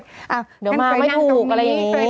เดี๋ยวมาไม่ถูกอะไรอย่างนี้